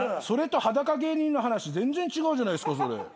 それと裸芸人の話全然違うじゃないですかそれ。